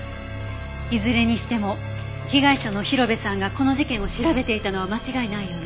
いずれにしても被害者の広辺さんがこの事件を調べていたのは間違いないようね。